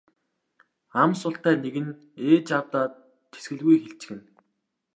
Ам султай нэг нь ээж аавдаа тэсгэлгүй хэлчихнэ.